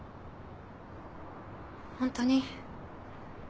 ホントに。